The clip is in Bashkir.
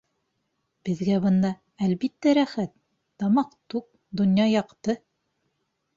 Беҙгә бында, әлбиттә, рәхәт, тамаҡ туҡ, донъя яҡты...